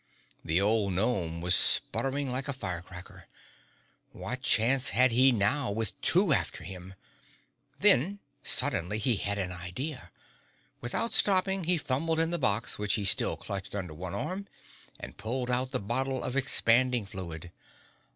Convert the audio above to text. The old gnome was sputtering like a firecracker. What chance had he now with two after him? Then suddenly he had an idea. Without stopping, he fumbled in the box which he still clutched under one arm and pulled out the bottle of Expanding Fluid.